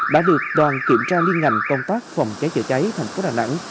đã được đoàn kiểm tra liên ngành công tác phòng cháy chữa cháy thành phố đà nẵng